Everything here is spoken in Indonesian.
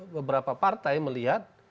beberapa partai melihat